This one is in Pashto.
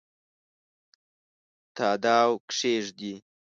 تاداو کښېږدي